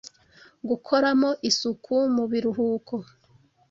gukoramo isuku mu biruhuko.